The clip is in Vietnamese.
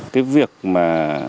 cái việc mà